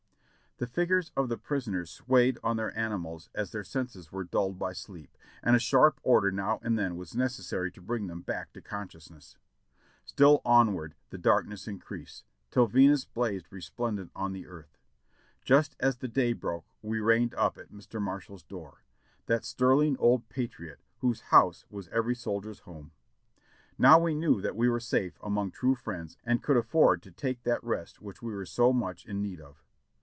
The figures of the prisoners swayed on their animals as their senses were dulled by sleep, and a sharp order now and then was necessary to bring them back to consciousness. 632 JOHNNY REB AND BILLY YANK Still onward the darkness increased, till Venus blazed resplend ent on the earth. Just as the day broke we reined up at Mr. Marshall's door — that sterling old patriot whose house was every soldier's home. Now we knew that we were safe among true friends and could afford to take that rest which we were so much in need of.